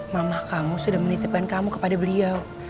mama kamu sudah menitipkan kamu kepada beliau